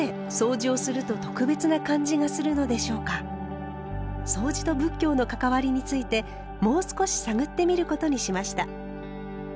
でもそうじと仏教の関わりについてもう少し探ってみることにしました。